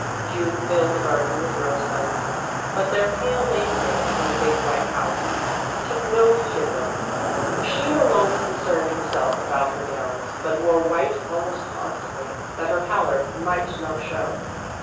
June filled the garden with rosebuds, but their pale namesake in the big white house took no heed of them. She no longer concerned herself about her gowns, but wore white almost constantly, that her pallor might not show.